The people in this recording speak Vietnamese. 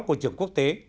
của trường quốc tế